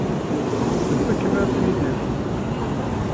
Nettett akken ad nidir.